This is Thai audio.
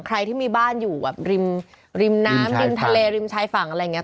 ใครที่มีบ้านอยู่แบบริมริมน้ำริมทะเลริมชายฝั่งอะไรอย่างนี้